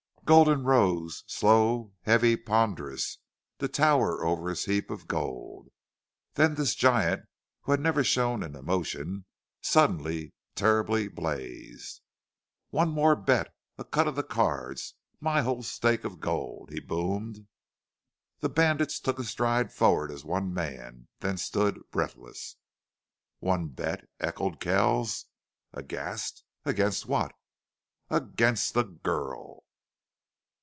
Gulden rose, slow, heavy, ponderous, to tower over his heap of gold. Then this giant, who had never shown an emotion, suddenly, terribly blazed. "One more bet a cut of the cards my whole stake of gold!" he boomed. The bandits took a stride forward as one man, then stood breathless. "One bet!" echoed Kells, aghast. "Against what?" "AGAINST THE GIRL!"